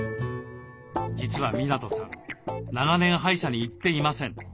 実は港さん長年歯医者に行っていません。